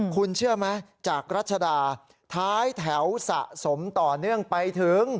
คุณเชื่อไหมจากรัชดาท้ายแถวสะสมต่อเนื่องไปถึง